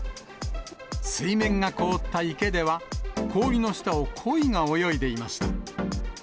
水面が凍った池では、氷の下をコイが泳いでいました。